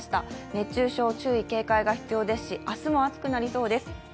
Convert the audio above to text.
熱中症、注意警戒が必要ですし明日も暑くなりそうです。